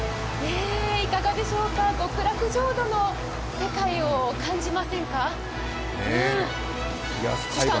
いかがでしょうか、極楽浄土の世界を感じませんか。